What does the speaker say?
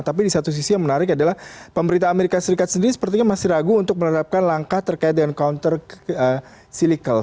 tapi di satu sisi yang menarik adalah pemerintah amerika serikat sendiri sepertinya masih ragu untuk menerapkan langkah terkait dengan counter cylical